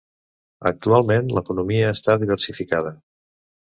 Actualment l'economia està diversificada.